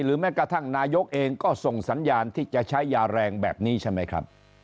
แม้กระทั่งนายกเองก็ส่งสัญญาณที่จะใช้ยาแรงแบบนี้ใช่ไหมครับ